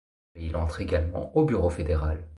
Mais il entre également au Bureau fédéral.